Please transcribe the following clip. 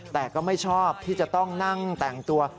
แต่ก็ไม่ชอบที่จะต้องนั่งแต่งตัว